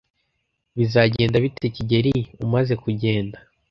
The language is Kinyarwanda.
Bizagenda bite kigeli umaze kugenda?